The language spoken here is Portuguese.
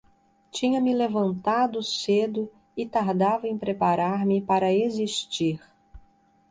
Tinha-me levantado cedo e tardava em preparar-me para existir.